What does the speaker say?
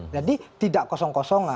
jadi tidak kosong kosong lah